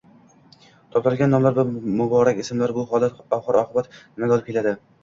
Toptalgan nomlar va muborak ismlar: bu holat oxir-oqibat nimaga olib keladi?